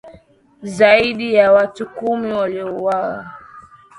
Zaidi ya watu kumi waliuawa